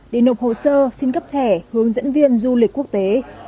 để nộp hồ sơ xin cấp thẻ hướng dẫn viên du lịch quốc tế